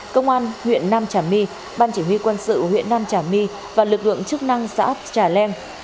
công an huyện nam trà my ban chỉ huy quân sự huyện nam trà my và lực lượng chức năng xã trà leng